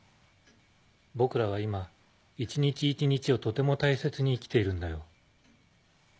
僕らは今一日一日をとても大切に生きているんだよ。